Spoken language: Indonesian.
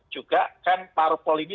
juga kan parpol ini